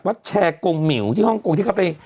วัดแชร์กรงหมิ๋วที่ฮ่องกรุงที่เขาไป